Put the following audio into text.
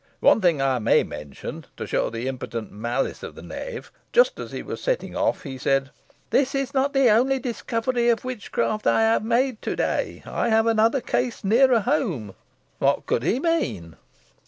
One thing I may mention, to show the impotent malice of the knave. Just as he was setting off, he said, 'This is not the only discovery of witchcraft I have made to day. I have another case nearer home.' What could he mean?"